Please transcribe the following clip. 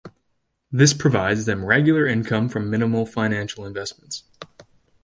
This provides them regular income from minimal financial investments.